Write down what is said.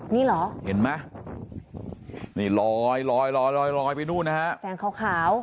นี่เหรอเห็นไหมนี่ลอยลอยลอยไปนู่นนะฮะแสงขาว